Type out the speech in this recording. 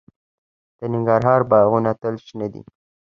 د ننګرهار باغونه تل شنه دي.